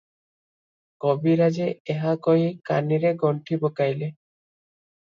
କବିରାଜେ ଏହା କହି କାନିରେ ଗଣ୍ଠି ପକାଇଲେ ।